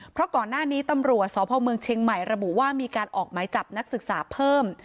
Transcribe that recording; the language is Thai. เพราะก่อนหน้านี้ตำรวจสพเมืองเชียงใหม่ระบุว่ามีการออกหมายจับนักศึกษาเพิ่ม